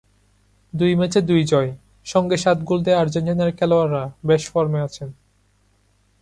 দুই ম্যাচে দুই জয়, সঙ্গে সাত গোল দেওয়া আর্জেন্টিনার খেলোয়াড়রা বেশ ফর্মে আছেন।